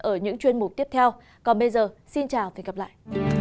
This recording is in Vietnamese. ở những chuyên mục tiếp theo còn bây giờ xin chào và hẹn gặp lại